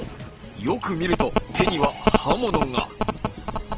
よく見ると手には刃物が。